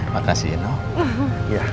makasih ya noh